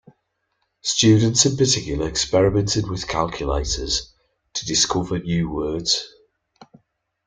Students, in particular, experimented with calculators to discover new words.